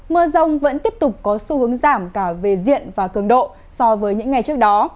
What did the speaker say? mưa rông vẫn tiếp tục có xu hướng giảm cả về diện và cường độ so với những ngày trước đó